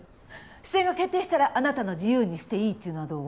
出演が決定したらあなたの自由にしていいっていうのはどう？